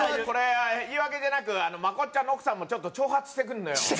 これは言い訳じゃなくまこっちゃんの奥さんもちょっと挑発してくるのよ。